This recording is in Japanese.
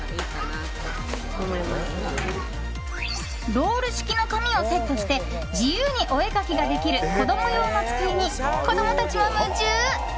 ロール式の紙をセットして自由にお絵かきができる子供用の机に、子供たちも夢中。